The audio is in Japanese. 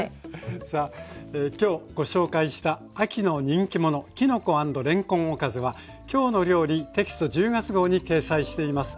さあ今日ご紹介した秋の人気ものきのこ＆れんこんおかずは「きょうの料理」テキスト１０月号に掲載しています。